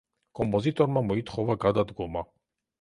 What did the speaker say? კომპოზიტორმა მოითხოვა გადადგომა.